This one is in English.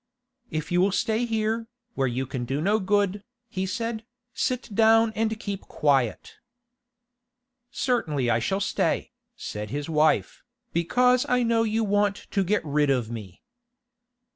'If you will stay here, where you can do no good,' he said, 'sit down and keep quiet.' 'Certainly I shall stay,' said his wife, 'because I know you want to get rid of me.